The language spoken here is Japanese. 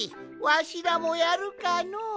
わしらもやるかの。